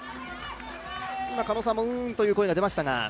今、狩野さんも、うんという声が出ましたが。